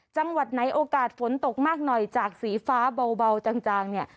จังหวัดไหนโอกาสฝนตกมากหน่อยจากสีฟ้าเบาจางเนี่ย